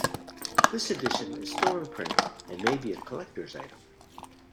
This edition is still in print and may be a collectors item.